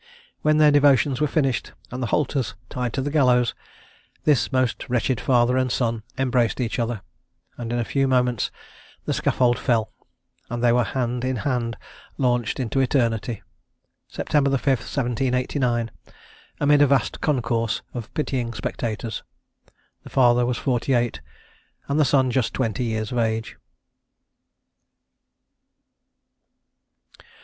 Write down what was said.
When their devotions were finished, and the halters tied to the gallows, this most wretched father and son embraced each other, and in a few moments the scaffold fell, and they were hand in hand launched into eternity, September the 5th 1789, amid a vast concourse of pitying spectators. The father was forty eight, and the son just twenty years of age.